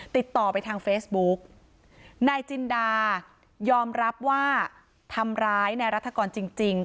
ติดต่อไปทางเฟซบุ๊กนายจินดายอมรับว่าทำร้ายนายรัฐกรจริงจริง